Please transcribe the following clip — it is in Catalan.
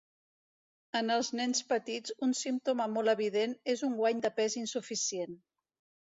En els nens petits un símptoma molt evident és un guany de pes insuficient.